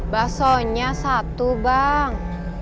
basonya satu bang